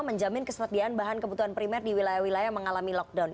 menjamin kesediaan bahan kebutuhan primer di wilayah wilayah yang mengalami lockdown